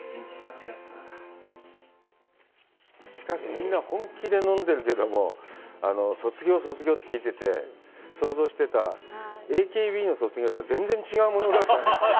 しかし、みんな本気で飲んでるけども、卒業、卒業って聞いてて想像してた、ＡＫＢの卒業とは全然違うものだったね。